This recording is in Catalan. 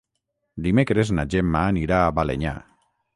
Dimecres na Gemma anirà a Balenyà.